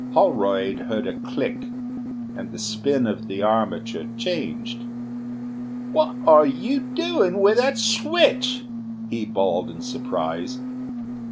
Holroyd heard a click, and the spin of the armature changed. "What are you dewin' with that switch?" he bawled in surprise.